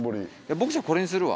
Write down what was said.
僕これにするわ。